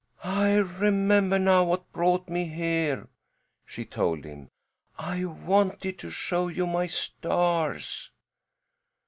"I remember now what brought me here," she told him. "I wanted to show you my stars."